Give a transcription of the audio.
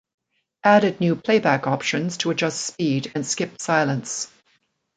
Added new playback options to adjust speed and skip silence.